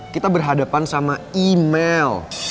kita berhadapan sama imel